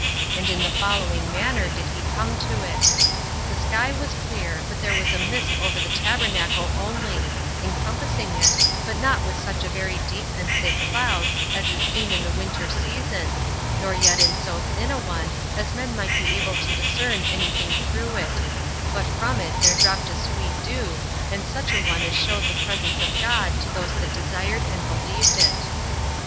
And in the following manner did he come to it:The sky was clear, but there was a mist over the tabernacle only, encompassing it, but not with such a very deep and thick cloud as is seen in the winter season, nor yet in so thin a one as men might be able to discern any thing through it, but from it there dropped a sweet dew, and such a one as showed the presence of God to those that desired and believed it.